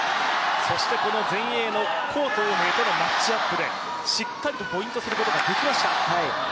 そして前衛の黄東萍とのマッチアップでしっかりとポイントすることができました。